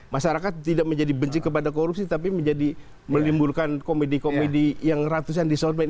masyarakat tidak menjadi benci kepada korupsi tapi menjadi menimbulkan komedi komedi yang ratusan disorbed